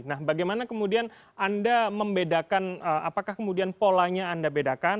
nah bagaimana kemudian anda membedakan apakah kemudian polanya anda bedakan